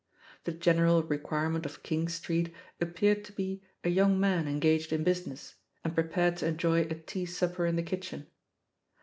The gen eral requirement of King Street appeared to be a young man engaged in business, and prepared to enjo;^ a tea supper in the kitchen.